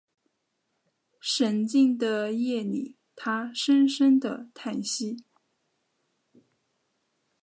沈静的夜里他深深的叹息